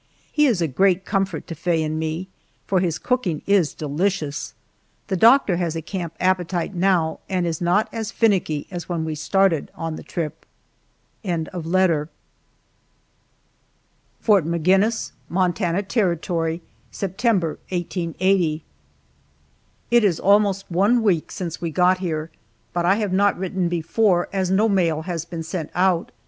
He is a great comfort to Faye and me, for his cooking is delicious. The doctor has a camp appetite now and is not as finicky as when we started on the trip. FORT MAGINNIS, MONTANA TERRITORY, September, 1880. IT is almost one week since we got here, but I have not written before as no mail has been sent out.